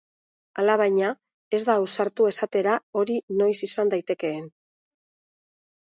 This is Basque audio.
Alabaina, ez da ausartu esatera hori noiz izan daitekeen.